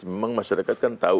memang masyarakat kan tahu